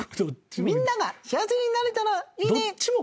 「みんなが幸せになれたらいいね」